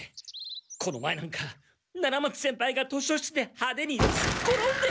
この前なんか七松先輩が図書室でハデにすっ転んで。